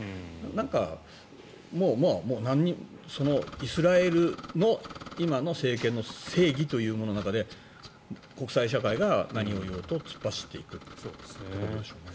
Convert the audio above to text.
なんか、イスラエルの今の政権の正義というものの中で国際社会が何を言おうと突っ走っていくということでしょうね。